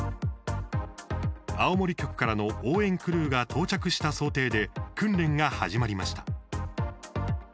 青森局からの応援クルーが到着した想定で訓練が始まりました。